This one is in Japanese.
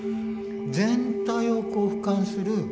全体をふかんする